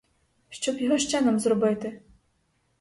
Щоб його ще нам зробити?